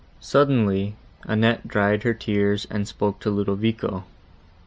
Suddenly, Annette dried her tears, and spoke to Ludovico.